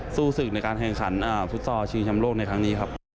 สู้ศึกในการแข่งขันฟุตซอลชิงชำโลกในครั้งนี้ครับ